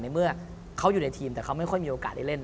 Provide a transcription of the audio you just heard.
เมื่อเขาอยู่ในทีมแต่เขาไม่ค่อยมีโอกาสได้เล่น